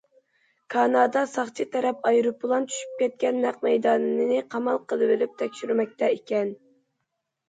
كانادا ساقچى تەرەپ ئايروپىلان چۈشۈپ كەتكەن نەق مەيداننى قامال قىلىۋېلىپ تەكشۈرمەكتە ئىكەن.